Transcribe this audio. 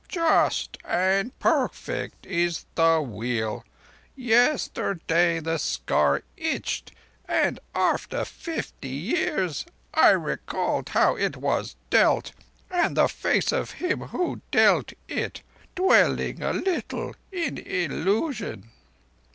"Just and perfect is the Wheel! Yesterday the scar itched, and after fifty years I recalled how it was dealt and the face of him who dealt it; dwelling a little in illusion.